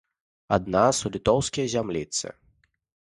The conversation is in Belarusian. Ад нас у літоўскія зямліцы.